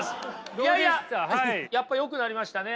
いやいややっぱよくなりましたね。